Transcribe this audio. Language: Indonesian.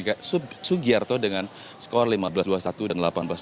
yaitu sugiarto dengan skor lima belas dua puluh satu dan delapan belas dua puluh